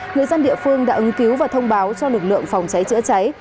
người dân địa phương đã ứng cứu và thông báo cho lực lượng phòng cháy chữa cháy